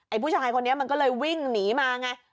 ผู้ชายคนนี้มันก็เลยวิ่งหนีมาไง